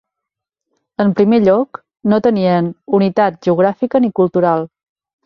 En primer lloc, no tenien unitat geogràfica ni cultural.